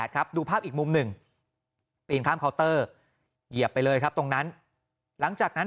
ครับดูภาพอีกมุมหนึ่งปีนข้ามเคาน์เตอร์เหยียบไปเลยครับตรงนั้นหลังจากนั้น